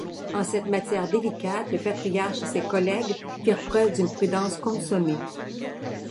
En cette matière délicate, le patriarche et ses collègues firent preuve d'une prudence consommée.